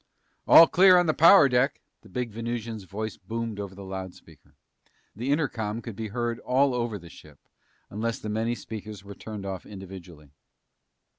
"All clear on the power deck!" The big Venusian's voice boomed over the loud speaker. The intercom could be heard all over the ship unless the many speakers were turned off individually.